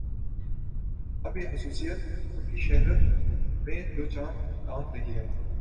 اب یہ خصوصیت ان کی شہرت میں جو چاند ٹانک رہی ہے